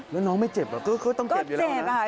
แล้วน้องไม่เจ็บเหรอก็ต้องเจ็บอยู่แล้วนะ